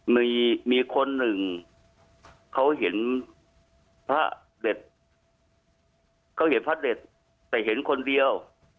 มีมีคนหนึ่งเขาเห็นพระเด็ดเขาเห็นพระเด็ดแต่เห็นคนเดียว